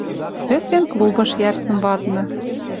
Вӹсен клубыш йӓрсӹм вадны